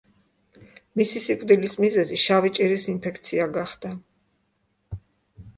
მისი სიკვდილის მიზეზი შავი ჭირის ინფექცია გახდა.